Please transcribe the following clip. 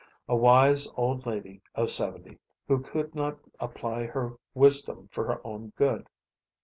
A wise old lady of seventy, who could not apply her wisdom for her own good.